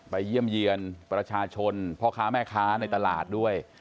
เยี่ยมเยือนประชาชนพ่อค้าแม่ค้าในตลาดด้วย